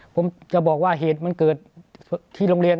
ผมจะบอกว่าเหตุมันเกิดที่โรงเรียน